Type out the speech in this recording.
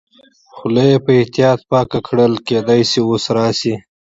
خوله یې په احتیاط پاکه کړل، کېدای شي اوس راشي.